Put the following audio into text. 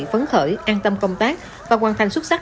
phấn khởi an tâm công tác và hoàn thành xuất sắc